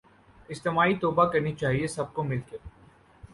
اجتماعی توبہ کرنی چاہیے سب کو مل کے